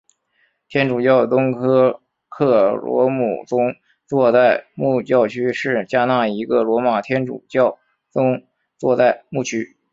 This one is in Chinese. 天主教东科克罗姆宗座代牧教区是加纳一个罗马天主教宗座代牧区。